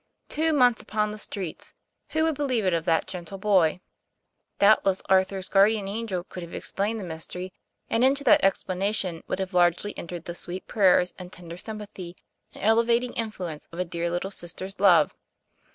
Two months upon the streets! Who would believe it of that gentle boy ? Doubtless Arthur's guardian angel could have explained the mystery, and into that explanation would have largely entered the sweet prayers and tender sympathy and elevating influence of a dear little sister's love.